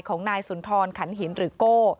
ของนายสุนทรขันหินหรือโก้